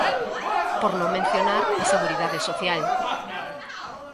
Por non mencionar a Seguridade Social.